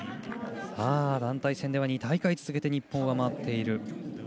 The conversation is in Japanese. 団体戦では２大会続けて日本は負けている。